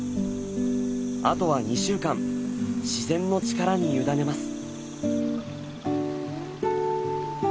あとは２週間自然の力に委ねます。